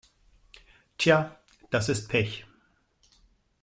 Tja, das ist Pech.